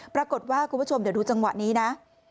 ปรากฏว่าคุณผู้ชมเดี๋ยวดูจังหวะนี้นะ